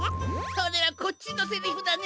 それはこっちのせりふだね！